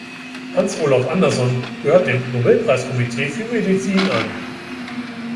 Hans-Olof Anderson gehört dem Nobelpreiskomitee für Medizin an.